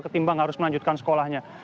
ketimbang harus melanjutkan sekolahnya